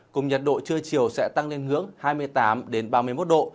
cùng nhật độ trưa chiều sẽ tăng lên hướng hai mươi tám đến ba mươi một độ